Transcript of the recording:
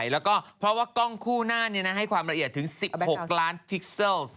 แล้วก็เพราะว่ากล้องคู่หน้าให้ความละเอียดถึง๑๖ล้านทิกเซิล